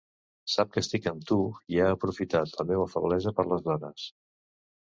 Sap que estic amb tu i ha aprofitat la meua feblesa per les dones...